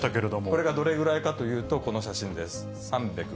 これがどれくらいかというと、この写真です。